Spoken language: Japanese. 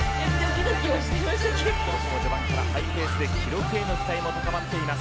序盤からハイペースで記録への期待も高まっています。